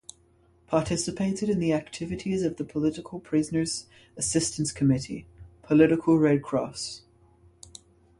Participated in the activities of the Political Prisoners Assistance Committee (Political Red Cross).